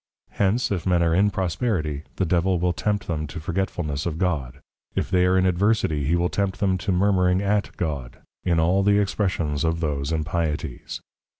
_ Hence, if men are in Prosperity, the Devil will tempt them to Forgetfulness of God; if they are in Adversity, he will tempt them to Murmuring at God; in all the expressions of those impieties.